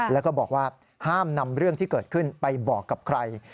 แล้วก็บอกว่าห้ามนำเรื่องที่เกิดขึ้นไปบอกกับใคร